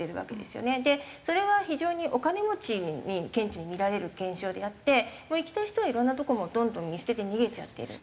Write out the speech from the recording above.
それは非常にお金持ちに顕著に見られる現象であってもう行きたい人はいろんなとこどんどん見捨てて逃げちゃってる。